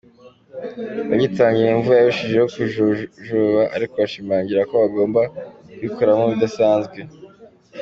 Bagitangira imvura yarushijeho kujojoba ariko bashimangira ko bagomba kuyikoramo ibidasanzwe.